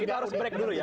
kita harus break dulu ya